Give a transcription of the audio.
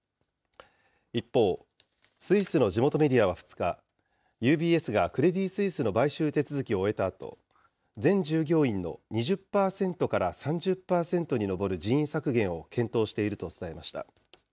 一方、スイスの地元メディアは２日、ＵＢＳがクレディ・スイスの買収手続きを終えたあと、全従業員の２０％から３０％に上る人員削減を検討していると伝えました。